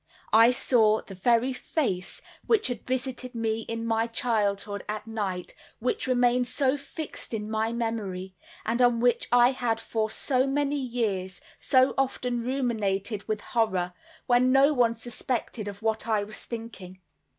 I saw the very face which had visited me in my childhood at night, which remained so fixed in my memory, and on which I had for so many years so often ruminated with horror, when no one suspected of what I was thinking.